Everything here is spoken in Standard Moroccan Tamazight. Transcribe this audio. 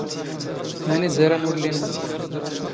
ⵎⴰⵏⵉ ⵣⴰ ⵔⴰⵏ ⵓⵍⵍⵉ ⵏⵏⴰ.